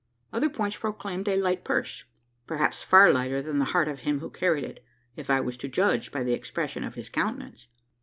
Other points proclaimed a light purse perhaps far lighter than the heart of him who carried it if I was to judge by the expression of his countenance.